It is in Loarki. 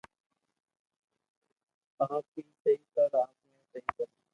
آپ اي سھي ڪر آپ ني سھي بس